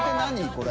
これ。